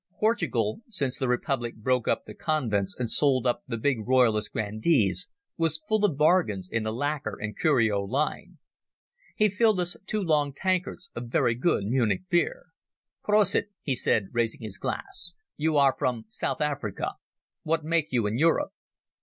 Portugal, since the republic broke up the convents and sold up the big royalist grandees, was full of bargains in the lacquer and curio line. He filled us two long tankards of very good Munich beer. "Prosit," he said, raising his glass. "You are from South Africa. What make you in Europe?"